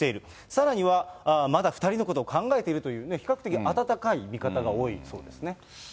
さらにはまだ２人のことを考えているという、比較的温かい見方が多いそうですね。